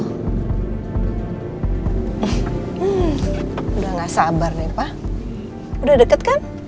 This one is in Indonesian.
hmm udah gak sabar nih pak udah deket kan